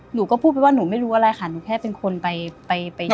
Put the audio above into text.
หนูก็พูดไปว่าหนูไม่รู้อะไรค่ะหนูแค่เป็นคนไปไป